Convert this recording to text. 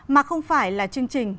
mà không phải là chương trình